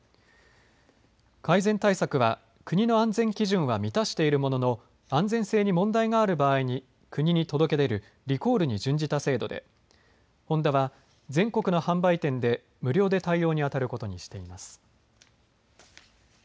改善対策は、国の安全基準は満たしているものの、安全性に問題がある場合に国に届け出るリコールに準じた制度で、ホンダは全国の販売店で無料で対応に当たることにしています。